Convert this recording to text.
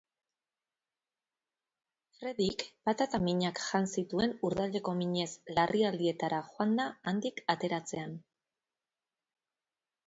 Freddyk patata minak jan zituen urdaileko minez larrialdietara joanda handik ateratzean.